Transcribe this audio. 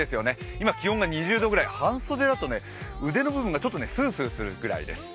今気温が２０度ぐらい半袖だと、腕の部分がスースーするぐらいです